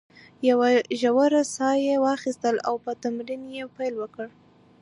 یوه ژوره ساه یې واخیستل او په تمرین یې پیل وکړ.